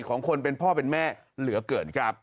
ของคนเป็นพ่อเป็นแม่เหลือเกินครับ